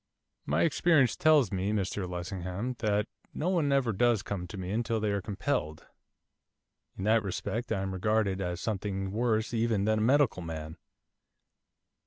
'My experience tells me, Mr Lessingham, that no one ever does come to me until they are compelled. In that respect I am regarded as something worse even than a medical man.